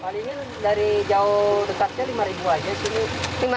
palingnya dari jauh dekatnya rp lima aja sih